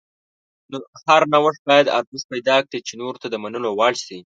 هر نوښت باید ارزښت پیدا کړي چې نورو ته د منلو وړ شي.